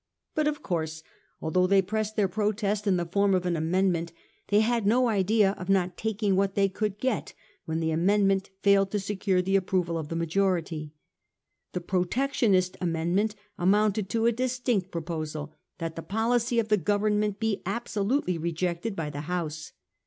But of course although they pressed their protest in the form of an amendment, they had no idea of not taking what they could get when the amendment failed to secure the approval of the majority. The Protection ist amendment amounted to a distinct proposal that Ihe policy of the Government be absolutely rejected by the House.